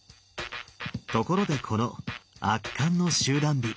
ところでこの「圧巻の集団美」